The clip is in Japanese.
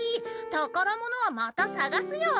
宝物はまた探すよ！